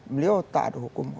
beliau tak ada hukum